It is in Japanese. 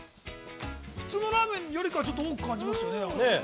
◆普通のラーメンよりかは、多く感じますよね。